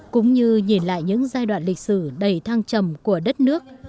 cũng như nhìn lại những giai đoạn lịch sử đầy thăng trầm của đất nước